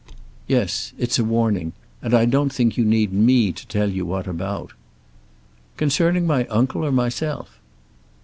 "Yes. It's a warning. And I don't think you need me to tell you what about." "Concerning my uncle, or myself?"